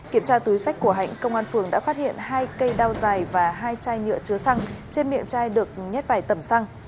kiểm tra túi sách của hạnh công an phường đã phát hiện hai cây đao dài và hai chai nhựa chứa xăng trên miệng chai được nhét vải tẩm xăng